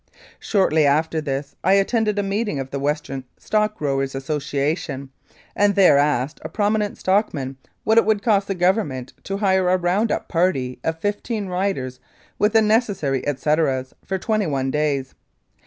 Shortly after this I attended a meeting of the Western Stock Growers' Association, and there asked a prominent stockman what it would cost the Government to hire a round up party of fifteen riders, with the necessary etceteras, for twenty one days.